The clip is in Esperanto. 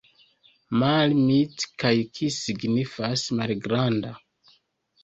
Mali, mic kaj kis signifas: malgranda.